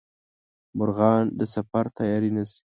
مرغان د سفر تیاري نیسي